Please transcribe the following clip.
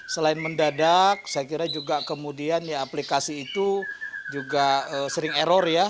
selain mendadak saya kira juga kemudian ya aplikasi itu juga sering error ya